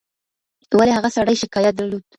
ولي هغه سړي شکايت درلود؟